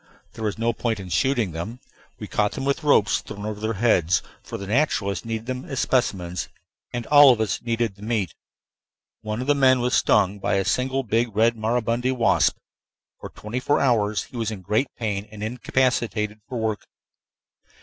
There was no point in shooting them; we caught them with ropes thrown over their heads; for the naturalists needed them as specimens, and all of us needed the meat. One of the men was stung by a single big red maribundi wasp. For twenty four hours he was in great pain and incapacitated for work.